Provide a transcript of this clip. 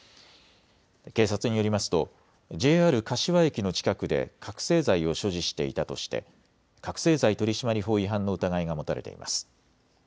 警察によりますとＪＲ柏駅の近くで覚醒剤を所持していたとして覚醒剤取締法違反の疑いが持たれています。